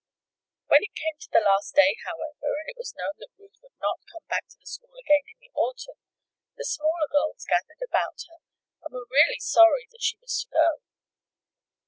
When it came to the last day, however, and it was known that Ruth would not come back to that school again in the autumn, the smaller girls gathered about her and were really sorry that she was to go.